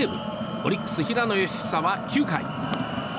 オリックス、平野佳寿は９回。